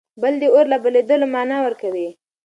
بل د اور له بلېدلو مانا ورکوي.